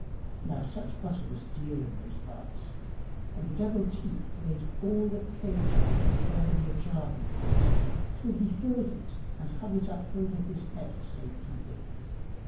Now such butter was dear in those parts and the Devotee laid all that came to him together in a jar he had, till he filled it and hung it up over his head for safe keeping.